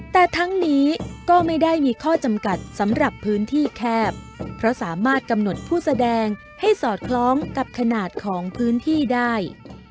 แต่ทั้งนี้ก็ไม่ได้มีข้อจำกัดสำหรับพื้นที่แคบเพราะสามารถกำหนดผู้แสดงให้สอดคล้องกับขนาดของพื้นที่ได้